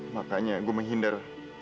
makanya gue menghindar